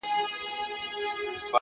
هوښیار انتخاب ستونزې له مخکې کموي!